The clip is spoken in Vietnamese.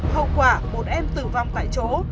hậu quả một em tử vong tại chỗ